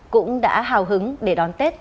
cũng đã hào hứng để đón tết